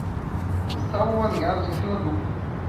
Estavam alinhados em fila dupla